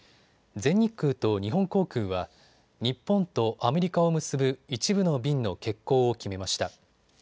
全日空と日本航空は日本とアメリカを結ぶ一部の便の欠航を決めました。